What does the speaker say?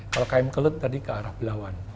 kalau km kelu tadi ke arah belawan